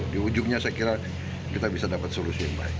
di ujungnya saya kira kita bisa dapat solusi yang baik